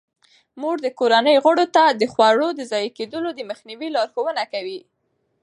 مور د کورنۍ غړو ته د خوړو د ضایع کیدو د مخنیوي لارښوونه کوي.